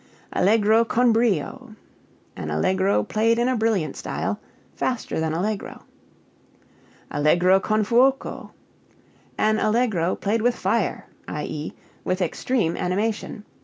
Allegro con brio an allegro played in brilliant style. Faster than allegro. Allegro con fuoco an allegro played with fire, i.e., with extreme animation.